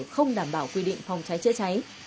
không đảm bảo quy định phòng cháy chữa cháy